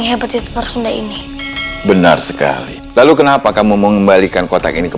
aku bisa mendengar suara langkah kaki orang itu